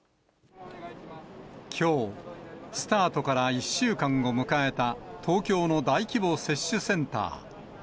きょう、スタートから１週間を迎えた、東京の大規模接種センター。